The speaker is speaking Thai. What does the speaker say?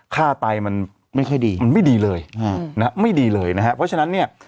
ไตมันไม่ค่อยดีมันไม่ดีเลยอ่านะฮะไม่ดีเลยนะฮะเพราะฉะนั้นเนี่ย